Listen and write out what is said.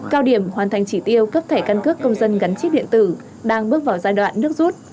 cao điểm hoàn thành chỉ tiêu cấp thẻ căn cước công dân gắn chip điện tử đang bước vào giai đoạn nước rút